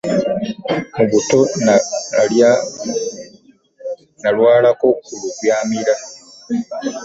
Mu buto nalwalako lubyamira.